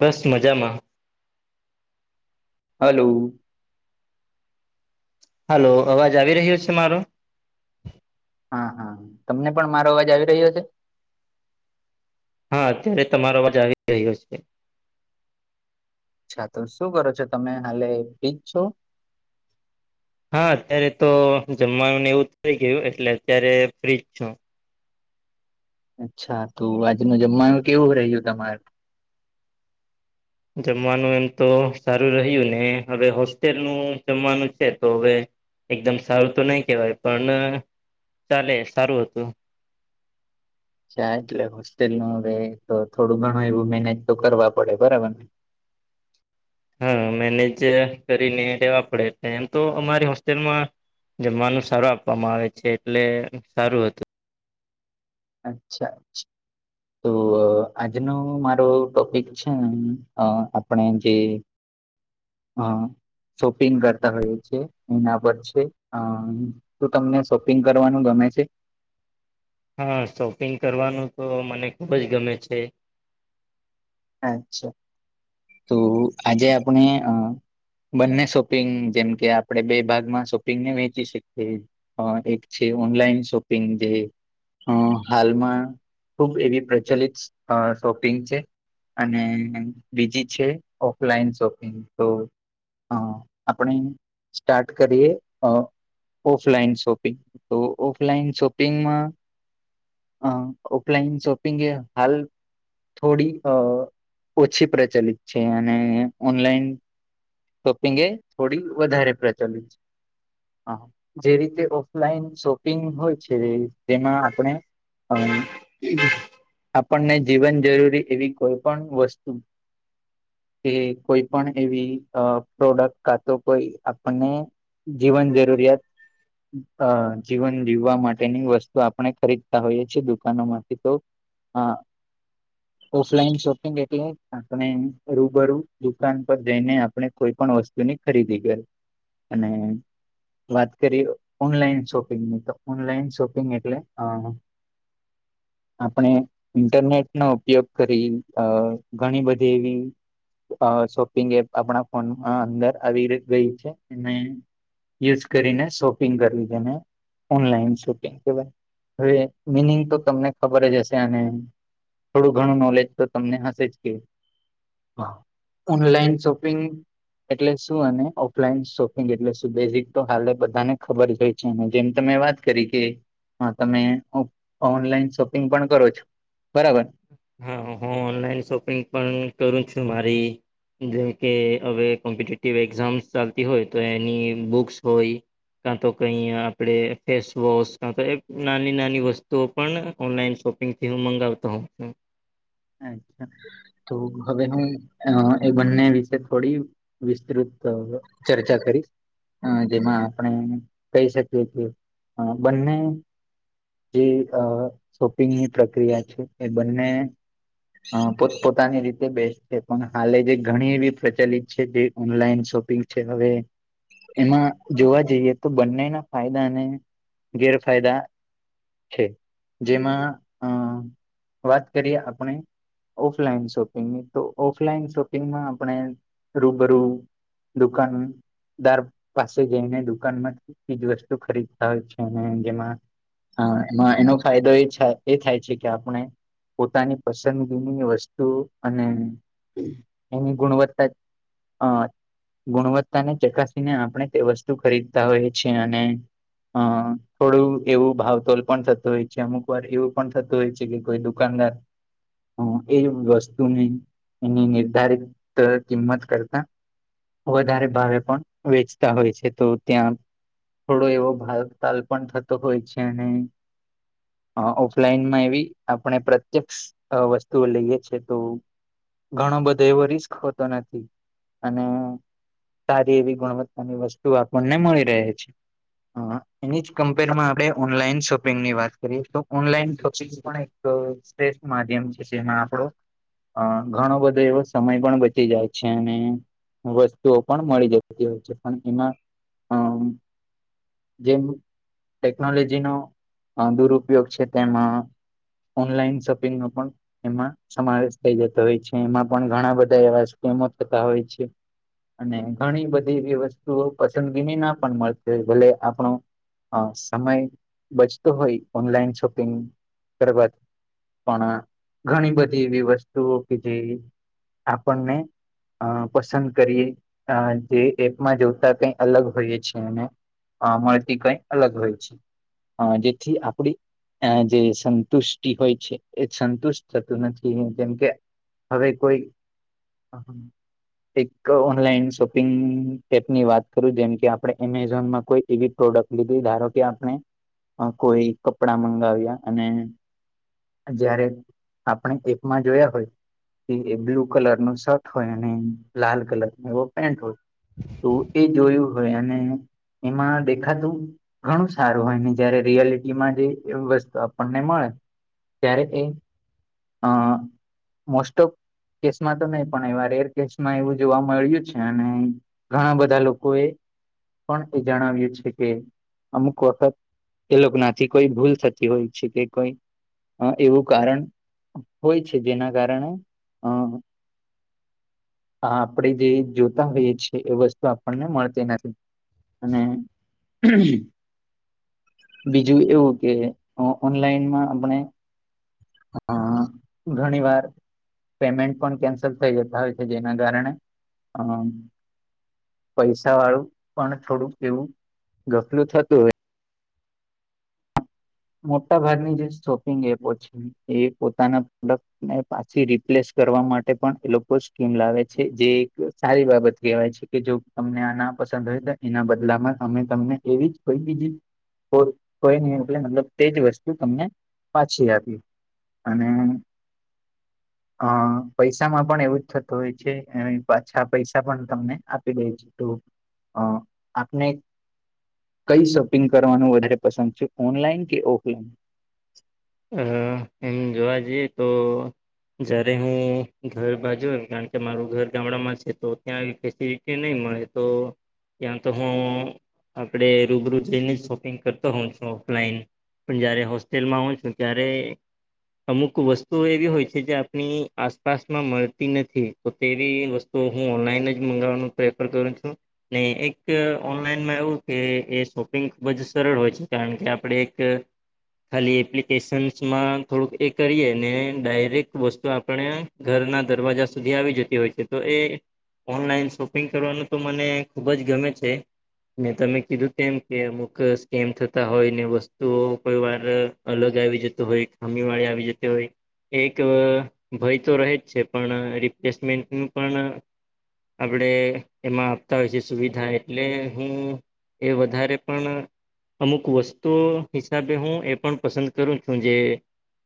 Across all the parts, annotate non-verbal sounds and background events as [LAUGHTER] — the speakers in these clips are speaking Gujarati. બસ મજામાં હલો હાલલો અવાજ આવી રહ્યો છે મારો હા હા તમને પણ મારો અવાજ આવી રહ્યો છે. હા અત્યારે તમારો અવાજ આવી રહ્યો છે. અચ્છા તો શું કરો છો તમે હાલે બિજ છો. હા અત્યારે તો જમવાનું એવું થઈ ગયું એટલે અત્યારે ફ્રીજ છું. અચ્છા તોું આજ ન જમવાયું કેવું રહ્યું તમારુ જમવાનું એમ તો સારું રહ્યું ને હવે હોસ્ટેલ નું જમવાનું છે તો હવે એકદમ સારું તો નહી કેહેવાય પણ ચાલે સારું હતું. ચ્ા એટલે હોસ્ટેલ નું હવે તો થોડું ઘણું એવું મેનેજ તો કરવા પડે બરાબર ને હા મેનેજ કરીને લેવા પડે એ એમ તો અમારી હોસ્ટેલમાં જમવાનું સારું આપવામાં આવે છે એટલે સારું હતું. અચ્છા્ તો આજનો મારો ટોપિક છે આપણે જે હા શોપિંગ કરતા હોયએ છેએ એના પર છે અ તું તમને શોપિંગ કરવાનું ગમે છે. હા શોપિંગ કરવાનું તો મને ખુબ જ ગમે છે. અચ્છા તો આજે આપણે અ બંને શોપિંગ જેમકે આપણે બે ભાગમાં શોપિંગને વેચી શકીએ હ એક છે ઓનલાઈન શોપિંગ જે અ હાલમાં ખુબ એવી પ્રચલિત શોપિંગ છે. અને બીજી છે ઓફલાઈન શોપિંગ તો અ આપણે સ્ટાર્ટ કરીએ અ ઓફલાઈન શોપિંગ તો ઓફલાઈન શોપિંગમાં અ ઓફલાઈન શોપિંગ એ હાલ થોડી અ ઓછી પ્રચલિત છે અને ઓનલાઈન શોપિંગ એ થોડી વધારે પ્રચલિત છે. હ જે રીતે ઓફલાઈન શોપિંગ હોય છે તેમાં આપણે અ આપણને જીવન જરૂરી એવી કોઈ પણ વસ્તુ કે કોઈ પણ એવી પ્રોડક્ટ કા તો કોઈ આપને જીવન જરૂરિયાત અ જીવન જીવવા માટેની વસ્તુ આપણે ખરીદતા હોઈએ છ છેીએ દુકાનો માંથી તો હા ઓફલાઈન શોપિંગ એટલે આપણે રૂબરૂું દુકાન પર જઈને આપણે કોઈ પણ વસ્તુની ખરીદી કરી અને વાત કરીએ ઓનલાઈન શોપિંગ ની તો ઓનલાઈન શોપિંગ એટલે આપણે ઇન્ટરનેટ નો ઉપયોગ કરી ઘણી બધી સેવીિંગ અ શોપિંગ એપ આપણા ફોનમાં અંદર આવી ગઈ છે અને યુઝ કરીને શોપિંગ કરવી છે ને ઓનલાઈન શોપિંગ કેવાય હવે મિનિંગ તો તમને ખબર જ હશે અને થોડું ઘણું નોલેજ તો તમને હશે જ કે હા ઓનલાઈન શોપિંગ એટલે શું અને ઓફલાઈન શોપિંગ એટલે શું બેઝિક તો હાલે બધાને ખબર જય જેમ તમે વાત કરી કે હા તમે ઓનલાઈન શોપિંગ પણ કરો છો. બરાબર હા હું ઓનલાઈન શોપિંગ પણ કરું છું મારી જેમકે હવે કોમ્પિટેટિવ એક્ઝામ્સ ચાલતી હોય તો એની બુક્સ હોય. કાં તો કંઈ આપણે ફેસવોશ કા તો નાની નાની વસ્તુઓ પણ ઓનલાઈન શોપિંગ થી હું મંગાવતો હોઉ અછા તો હવે હું એ બંને વિશે થોડી વિસ્તૃત ચર્ચા કરીશ અ જેમાં આપણે કહી શકીએ કે બંને જે શોપિંગની પ્રક્રિયા છે એ બંને અ પોત પોતાની રીતે બેસ્ટ છે, પણ હાલે જે ઘણી એવી પ્રચલિત છે જે ઓનલાઈન શોપિંગ હવે એમાં જોવા જઈએ તો બંનેના ફાયદા અને ગેરફાયદા છે, જેમાં અ વાત કરીએ [UNINTELLIGIBLE] ઓફલાઈન શોપિંગ તો ઓફલાઈન શોપિંગમાં આપણે રૂબરૂ દુકાન દાર પાસે જઈને દુકાનમાં ચીજ વસ્તુ ખરીદતા હોય છે. જેમાં હા એમાં એનો ફાયદો એ એ થાય છે કે આપણે પોતાની પસંદગીની વસ્તુ અને એની ગુણવત્તા [UNINTELLIGIBLE] ગુણવત્તા ને ચકાસીને આપણે તે વસ્તુ ખરીદતા હોઈ છીએ અને અ થોડું એવું ભાવતોલ પણ થતું હોય છે, અમુક વાર એવું પણ થતું હોય છે કે કોઈ દુકાનદાર એ વસ્તુની એની નિર્ધારિત કિંમત કરતા વધારે ભાવે પણ વેચતા હોય છે, તો ત્યાં થોડો એવો ભાવ તાલ પણ થતો હોય છે, અને ઓફલાઈનમાં એવી આપણે પ્રત્યક્ષ વસ્તુઓ લઈએ છેએ તો ઘણો બધો એવો રિસ્ક હોતો નથી અને સારી એવી ગુણવત્તાની વસ્તુ આપણને મળી રહે છે. હા એની જ કમ્પેરમાં આપણે ઓનલાઈન શોપિંગ ની વાત કરીએ તો ઓનલાઈન શોપિંગ પણ [UNINTELLIGIBLE] માધ્યમ જે એમાં આપડો હ ઘણો બધો એવો સમય પણ બચી જાય છે. અને વસ્તુઓ પણ મળી જતી હોય છે પણ એમાં અમ જેમ ટેકનોલોજીનો દુરુપયોગ છે તેમાં ઓનલાઈન શોપિંગમાં નો પણ એમાં સમાવેશ થઈ જતો હોય છે, એમાં પણ ઘણા બધા એવા સ્કીમો થતા હોય છે. અને ઘણી બધી એવી વસ્તુઓ પસંદગીની ના પણ મળશે ભલે આપણુ હ સમય બચતો હોય ઓનલાઈન શોપિંગ કરવા પણ ઘણી બધી એવી વસ્તુઓ કે જે આપણને અ પસંદ કરીએ જે એપમાં જોતા કઈ અલગ હોઈએ છે અને મળતી કઈ અલગ હોય છે. જેથી આપડી આ જે સંતુષ્ટિ હોય એ સંતુષ્ટ થતું નથી કેમકે હવે કોઈ [INAUDIBLE] એક ઓનલાઈન શોપિંગ એપ ની વાત કરું જેમ કે આપણે એમેઝોનમાં કોઈ એવી પ્રોડક્ટ લીધી ધારો કે આપણે કોઈ કપડા મંગાવ્યા અને જયારે આપણે એકમાં જોયા હોય એ એ બ્લુ કલર નું શર્ટ હોય ને લાલ કલર નો એવો પેન્ટ હોય તો એ જોયું હોય અને એમાં દેખાતું ઘણું સારું હોય ને જયારે રિયાલિટી માં જે એવી વસ્તુ આપણને મળે ત્યારે એ અ મોસ્ટ ઓફ કેસમાં તો નહી પણ એવાર એર કેસમાં એવું જોવા મળ્યું છે અને ઘણા બધા લોકો એ પણ એ જણાવ્યું છે કે અમુક વખત એ લોકો નાથી કોઈ ભૂલ થતી હોય છે કે કોઈ અ એવું કારણ હોય છે જેના કારણે અ- હ આપણેે જે જોતા હોઈએ છ છેીએ એ વસ્તુ આપણને મળતી નથી અને બીજું એવું કે ઓનલાઈનમાં આપણે હા ઘણી વાર પેમેન્ટ પણ કેન્સલ થઈ જતા હોય છે જેના કારણે અ પૈસા વાળું પણ થોડુંક એવું ગફલું થતું હોય મોટા ભાગની જે શોપિંગ એપો છે એ પોતાના પ્રોડક્ટ ને પાછી રિપ્લેસ કરવા માટે પણ એ લોકો સ્કીમ લાવે છે જે એક સારી બાબત કહેવાય છે. કે જો તમને આ ના પસંદ હોય તો એના બદલામાં અમે તમને એવી જ કોઈ બીજી કોર કોઈનીલે ન તેજ વસ્તુ તમને પાછી આપી અને અ પૈસામાં પણ એવું જ થતું હોય છે પાછા પૈસા પણ તમને આપી દે છે. તો અ આપને કઈ શોપિંગ કરવાનું વધારે પસંદ છે ઓનલાઈન કે ઓફલાઈન અ એમ જોવા જઈએ તો જયારે હું ઘર બાજુ હોઉંને કારણ કે મારું ઘર ગામડામાં છે તો ત્યાં આવી ફેસિલિટી નહી મળે તો ત્યાં તો હું આપડ રૂબરૂ જઈને જ શોપિંગ કરતો હોઉ છું ઓફલાઈન પણ જયારે હોસ્ટેલમાં હોઉ છું ત્યારે અમુક વસ્તુઓ એવી હોય છે જે આપણી આસપાસમાં મળતી નથી તો તેવી વસ્તુ હું ઓનલાઈન જ મંગાવવાનું પ્રેફર કરું છું ને એક ઓનલાઈનમાં એવું કે એ શોપિંગ ખુબ જ સરળ હોય છે કારણ કે આપણે એક ખાલી એપ્લી કેશન્સમાં થોડુંક એ કરીએ ને ડાયરેક્ટ વસ્તુ આપણે ઘરના દરવાજા સુધી આવી જ હોય છે તો એ ઓનલાઈન શોપિંગ કરવાનું તો મને ખુબ જ ગમે છે મને તમે કીધું તેમ કે અમુક સ્કેમ થતા હોય ને વસ્તુઓ કોઈ વાર અલગ આવી જતો હોય ખામી વાળી આવી જતી હોય એક ભય તો રહે જ છે પણ રિપ્લેસમેન્ટ પણ આપડે એમાં આપતા હોય છે સુવિધા એટલે હું એ વધારે પણ અમુક વસ્તુઓ હિસાબે હું એ પણ પસંદ કરું છું જે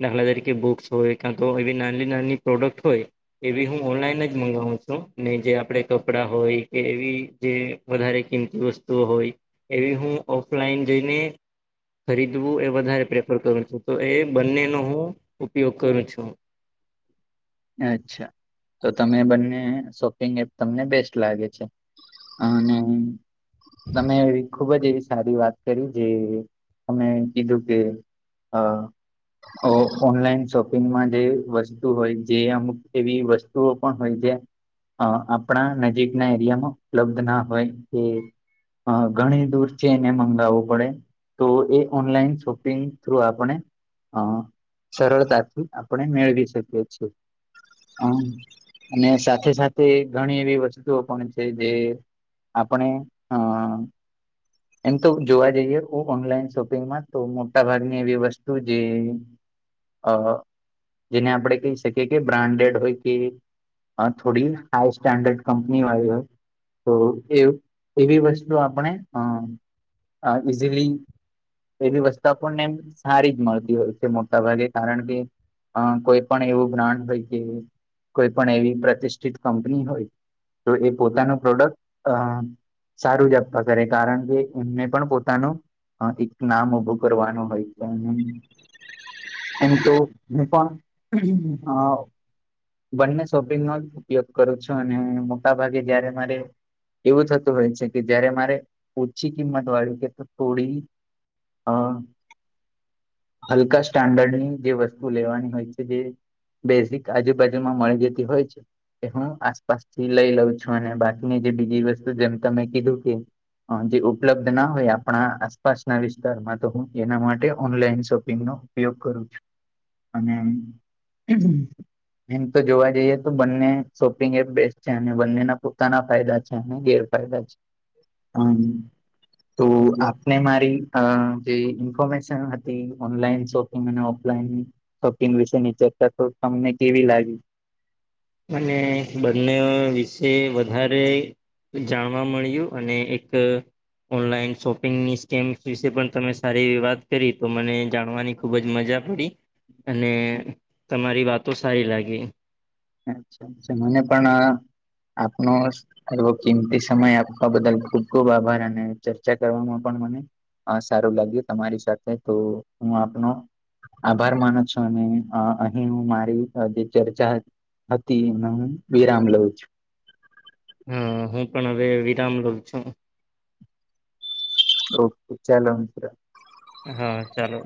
દાખલા તરીકે બુક્સ હોય કાં તો એવી નાની નાની પ્રોડક્ટ હોય એવી હું ઓનલાઈન જ મગાવું છું ને જે આપણે કપડાં હોય કે એવી જે વધારે કિંમતી વસ્તુઓ હોય એવી હું ઓફલાઈન જઈને ખરીદવું એ વધારે પ્રેફર કરું છું તો એ બંનેનો હું ઉપયોગ કરું છું અચ્છા તો તમે બંને શોપિંગ એપ તમને બેસ્ટ લાગે છે હા અને તમે એવી ખુબ જ એવી સારી વાત કરી જે તમે કીધું કે અ ઓનલાઈન શોપિંગમાં જે વસ્તુ હોય જે અમુક એવી વસ્તુઓ પણ હોય જ્યાં હા આપણા નજીકના એરિયામાં ઉપલબ્ધ ના હોય એ હા ઘણી દૂર છે એને મંગાવવું પડે તો એ ઓનલાઈન શોપિંગ થ્રુ આપણે અ સરળતાથી આપણે મેળવી શકીએ છીએ અ અને સાથે સાથે ઘણી એવી વસ્તુઓ પણ છે જે આપણે હ એમ તો જોવા જઈએ ઓનલાઈન શોપિંગમાં તો મોટ્ટા ભાગની એવી વસ્તુ જે અ જેને આપણે કહી શકીએ કે બ્રાન્ડેડ હોય કે હા થોડી હાઈ સ્ટેન્ડર્ડ કંપની વાળી હોય તો એ એવી વસ્તુ આપણે અ ઈઝીલી એવી વસ્તુ આપણનેમ સારી જ મળતી હોય છે મોટા ભાગે કારણ કે અ કોઈ પણ એવું બ્રાન્ડ હોય કે કોઈ પણ એવી પ્રતિષ્ઠિત કંપની હોય તો એ પોતાનું પ્રોડક્ટ અ સારું જપતા કરે કારણ કે એમને પણ પોતાનું હ એક નામ ઉભું કરવાનું હોય તો એ તો હું પણ અ બંને શોપિંગનો જ ઉપયોગ કરું છું અને મોટાભાગે જયારે મારે એવું થતું હોય છે કે જયારે મારે ઓછી કિંમત વાળી કે થોડી અ હલકા સ્ટાન્ડર્ડની જે વસ્તુ લેવાની હોય છે જે બેઝિક આજુબાજુમાં મળી જતી હોય છે એ હું આસપાસ થી લઈ લઉં છું અને બાકીની જે બીજી વસ્તુ જેમ તમે કીધું કે જે ઉપલબ્ધ ના હોય આપણા આસપાસના વિસ્તારમાં તો હું એના માટે ઓનલાઈન શોપિંગનો ઉપયોગ કરું છું અને [INAUDIBLE] એમ તો જોવા જઈએ તો બંને શોપિંગ એપ બેસ્ટ છે અને બંનેના પોતાના ફાયદા છે અને ગેર ફાયદા છે હમ તો આપને મારી જે ઇન્ફોર્મેશન હતી ઓનલાઈન શોપિંગ અને ઓફલાઈન શપિંગ વિશેની ચર્ચા તો તમને કેવી લાગી અને બંને વિશે વધારે જાણવા મળ્યું અને એક ઓનલાઈન શોપિંગની સ્કીમ વિશે પણ તમે સારી એવી વાત કરી તો મને જાણવાની ખુબ જ મજા પડી અને તમારી વાતો સારી લાગી અચ્છા અચ્ા મને પણ આપનો એો કિંમતી સમય આપવા બદલ ખુબ ખુબ આભાર અને ચર્ચા કરવામાં પણ મને સારું લાગ્યું તમારી સાથે તો હું આપનો આભાર માનો છો અને અહી હું મારી જે ચર્ચા હતી અતિ વિરામ લવ છું હા હું પણ હવે વિરામ લો છું ઓકે ચાલો અંતરા હા ચાલો